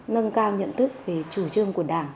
nâng cao nhận thức về chủ trương của đảng